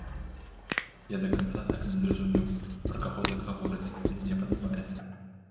Я да канца так і не зразумеў, пра каго так гавораць, але мне падабаецца.